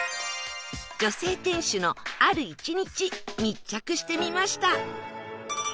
女性店主のある一日密着してみました